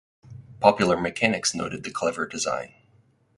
Popular Mechanics noted the clever design.